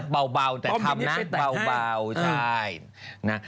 เบาเบาเบาเบา